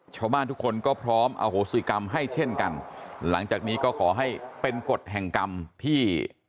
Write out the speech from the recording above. ชาวบ้านทุกคนก็พร้อมอโหสิกรรมให้เช่นกันหลังจากนี้ก็ขอให้เป็นกฎแห่งกรรมที่